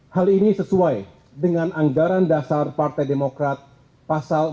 hal ini sesuai dengan anggaran dasar partai demokrat pasar